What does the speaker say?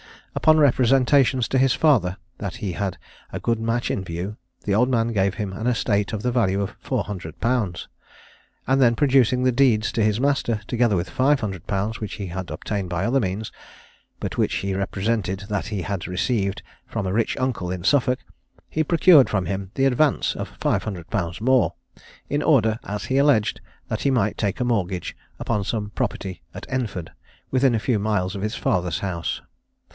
Upon representations to his father, that he had a good match in view, the old man gave him an estate of the value of 400_l._; and then producing the deeds to his master, together with 500_l._ which he had obtained by other means, but which he represented that he had received from a rich uncle in Suffolk, he procured from him the advance of 500_l._ more, in order, as he alleged, that he might take a mortgage upon some property at Enford, within a few miles of his father's house.